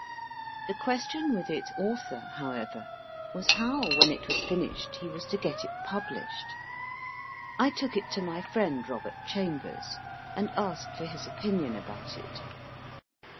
The question with its author, however, was how, when it was finished, he was to get it published. I took it to my friend, Robert Chambers, and asked for his opinion about it.